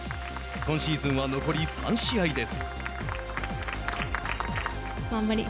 今シーズンは残り３試合です。